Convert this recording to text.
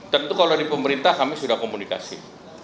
tentu kalau di pemerintah kami sudah komunikasi